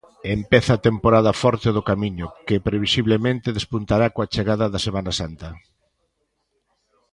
Empeza a temporada forte do camiño, que previsiblemente despuntará coa chegada da Semana Santa.